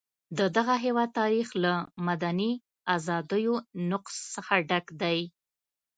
د دغه هېواد تاریخ له مدني ازادیو نقض څخه ډک دی.